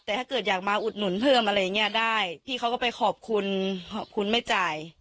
แต่ถ้าเกิดอยากมาอุดหนุนเพิ่มอะไรอย่างเงี้ยได้พี่เขาก็ไปขอบคุณขอบคุณคุณไม่จ่าย